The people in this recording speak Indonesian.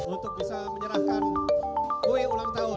untuk bisa menyerahkan kue ulang tahun